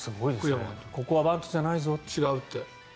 ここはバントじゃないぞ違うと。